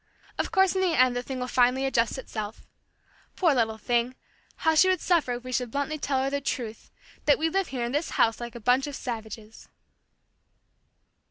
Of course in the end the thing will finally adjust itself. Poor little thing! How she would suffer if we should bluntly tell her the truth that we live here in this house like a bunch of savages."